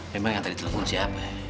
memang yang tadi teluk guna siapa